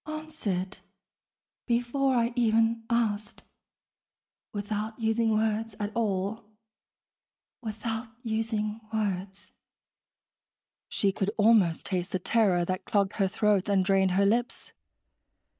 (Answered ... before I even asked ... without using words at all ... without using words....) She could almost taste the terror that clogged her throat and dried her lips.